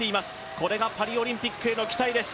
これがパリオリンピックへの期待です。